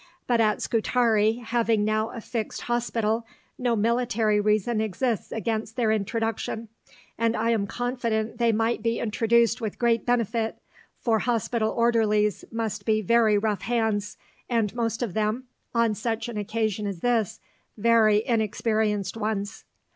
But at Scutari, having now a fixed hospital, no military reason exists against their introduction, and I am confident they might be introduced with great benefit, for hospital orderlies must be very rough hands, and most of them, on such an occasion as this, very inexperienced ones.